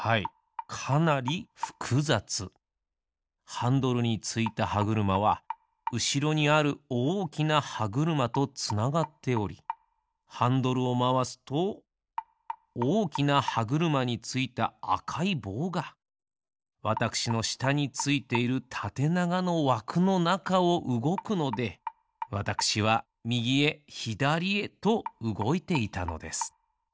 ハンドルについたはぐるまはうしろにあるおおきなはぐるまとつながっておりハンドルをまわすとおおきなはぐるまについたあかいぼうがわたくしのしたについているたてながのわくのなかをうごくのでわたくしはみぎへひだりへとうごいていたのです。